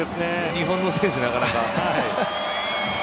日本の選手、なかなか。